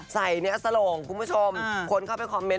เนื้อสโหลงคุณผู้ชมคนเข้าไปคอมเมนต